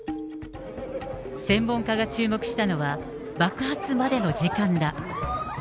専門家が注目したのは、爆発までの時間だ。